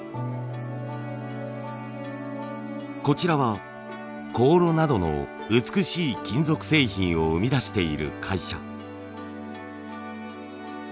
こちらは香炉などの美しい金属製品を生み出している会社。